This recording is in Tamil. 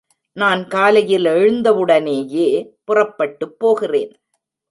நான் காலையில் எழுந்தவுடனேயே புறப்பட்டுப் போகிறேன்.